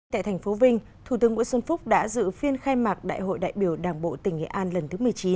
tại thành phố vinh thủ tướng nguyễn xuân phúc đã dự phiên khai mạc đại hội đại biểu đảng bộ tỉnh nghệ an lần thứ một mươi chín